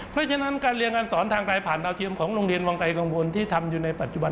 เพราะฉะนั้นงานเรียนการสอนการทางกายผ่านจากโรงเรียนวังไกยกลางบนที่ทำอยู่ในปัจจุบัน